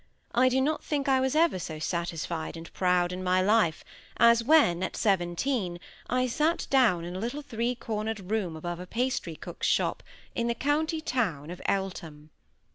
I do not think I ever was so satisfied and proud in my life as when, at seventeen, I sate down in a little three cornered room above a pastry cook's shop in the county town of Eltham.